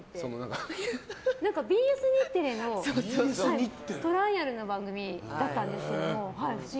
ＢＳ日テレの、トライアルな番組だったんですけど。